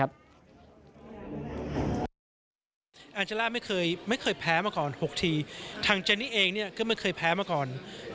อาจารย์ไม่เคยไม่เคยแพ้มาก่อน๖ทีทางเธอเองเนี่ยก็ไม่เคยงอ่าน